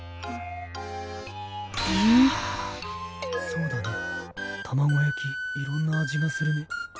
そうだね卵焼きいろんな味がするね。